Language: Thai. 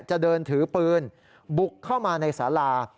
จะเดินถือปืนบุกเข้ามาในสารา